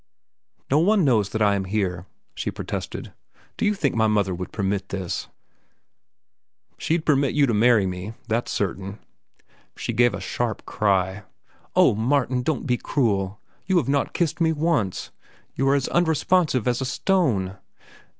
"No one knows that I am here," she protested. "Do you think my mother would permit this?" "She'd permit you to marry me, that's certain." She gave a sharp cry. "Oh, Martin, don't be cruel. You have not kissed me once. You are as unresponsive as a stone.